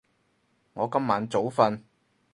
我今晚早瞓